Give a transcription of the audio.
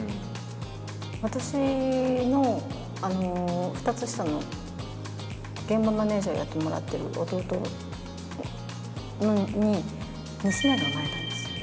私の２つ下の現場マネージャーやってもらってる弟に、娘が産まれたんですよ。